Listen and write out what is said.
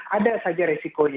ada saja risikonya